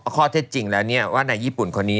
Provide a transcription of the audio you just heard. ข้อถ้าจริงว่าในญี่ปุ่นคนนี้